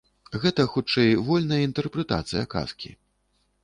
Гэта, хутчэй, вольная інтэрпрэтацыя казкі.